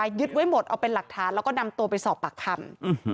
ยึดไว้หมดเอาเป็นหลักฐานแล้วก็นำตัวไปสอบปากคำ